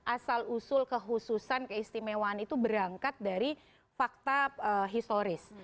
asal usul kehususan keistimewaan itu berangkat dari fakta historis